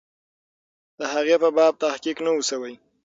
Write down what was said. د هغې په باب تحقیق نه وو سوی.